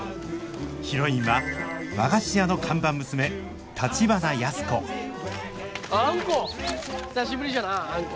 ヒロインは和菓子屋の看板娘橘安子久しぶりじゃなああんこ。